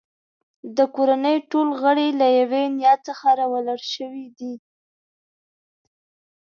د کورنۍ ټول غړي له یوې نیا څخه راولاړ شوي دي.